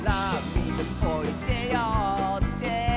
「みにおいでよって」